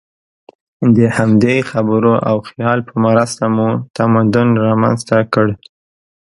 د همدې خبرو او خیال په مرسته مو تمدن رامنځ ته کړ.